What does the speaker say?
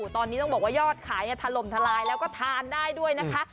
ตอนนี้ต้องบอกว่ายอดขายถล่มทลายแล้วก็ทานได้ด้วยนะคะ